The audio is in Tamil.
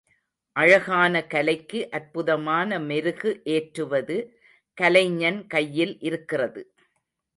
அழகான கலைக்கு அற்புதமான மெருகு ஏற்றுவது கலைஞன் கையில் இருக்கிறது.